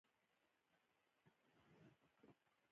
چوکۍ د خوراک لپاره اړینه ده.